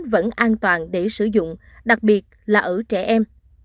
vẫn an toàn để sử dụng đặc biệt là ở trẻ em